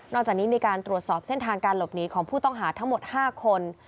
จากนี้มีการตรวจสอบเส้นทางการหลบหนีของผู้ต้องหาทั้งหมด๕คน